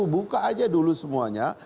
buka saja dulu semuanya